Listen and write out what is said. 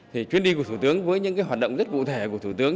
thì chuyến đi của thủ tướng với những cái hoạt động rất cụ thể của thủ tướng